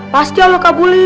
pasti allah kabulin